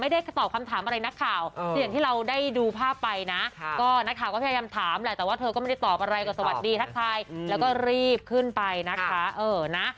ดีทักทายแล้วก็รีบขึ้นไปนะคะ